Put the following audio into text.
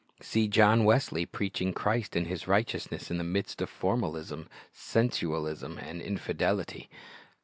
See John Wesley preaching Christ and His righteousness in the midst of formalism, sensualism, and infidelity.